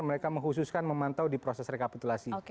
mereka mengkhususkan memantau di proses rekapitulasi